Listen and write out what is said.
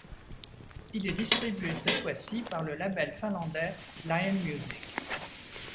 Il est distribué cette fois-ci par le label finlandais Lion Music.